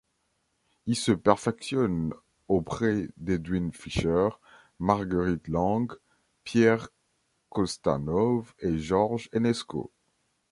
Il se perfectionne auprès d'Edwin Fischer, Marguerite Long, Pierre Kostanov, et Georges Enesco.